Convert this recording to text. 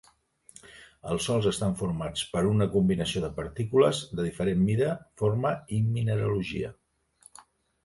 Els sòls estan formats per una combinació de partícules de diferent mida, forma i mineralogia.